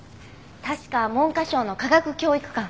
確か文科省の科学教育官。